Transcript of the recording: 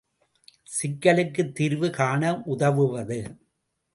சிக்கலுக்குத் தீர்வு காண உதவுவது.